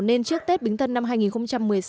nên trước tết bính tân năm hai nghìn một mươi sáu